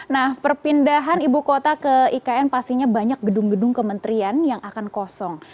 nah perpindahan ibu kota ke ikn pastinya banyak gedung gedung kementerian yang akan kosong